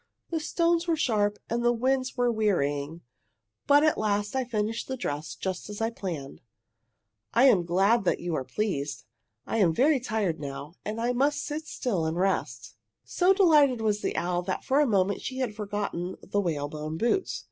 "The stones were sharp and the winds were wearying, but at last I finished the dress just as I planned. "I am glad that you are pleased. I am very tired now, and must sit still and rest." So delighted was the owl that for a moment she had forgotten the whalebone boots.